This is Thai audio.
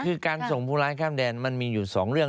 คือการส่งผู้ร้ายข้ามแดนมันมีอยู่๒เรื่อง